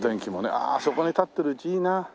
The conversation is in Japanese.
ああそこに立ってる家いいなあ。